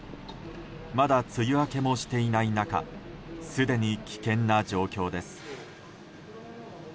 まだ梅雨明けもしていない中すでに危険な状況です。